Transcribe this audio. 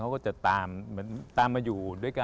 เขาก็จะตามเหมือนตามมาอยู่ด้วยกัน